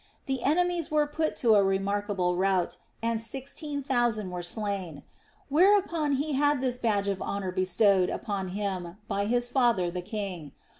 The enemies were put to a remarkable rout, and sixteen thousand were slain ; whereupon he had this badge of honor bestowed upon him by his father the king.